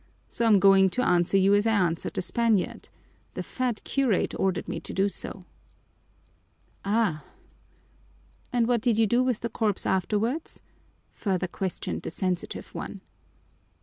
So I'm going to answer you as I answered the Spaniard: the fat curate ordered me to do so." "Ah! And what did you do with the corpse afterwards?" further questioned the sensitive one.